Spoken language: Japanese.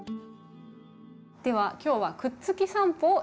では今日は「くっつきさんぽ」をやっていきます。